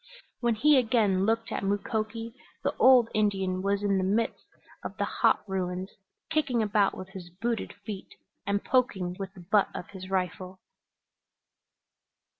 When he again looked at Mukoki the old Indian was in the midst of the hot ruins, kicking about with his booted feet and poking with the butt of his rifle.